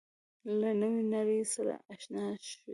له نوې نړۍ سره آشنايي ده.